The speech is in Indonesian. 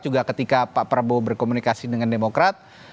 juga ketika pak prabowo berkomunikasi dengan demokrat